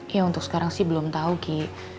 ya untuk sekarang sih belum tahu ki